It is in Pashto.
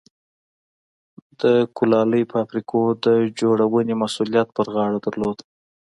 د کولالۍ فابریکو د جوړونې مسوولیت پر غاړه درلود.